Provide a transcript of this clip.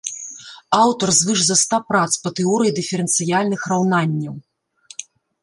Аўтар звыш за ста прац па тэорыі дыферэнцыяльных раўнанняў.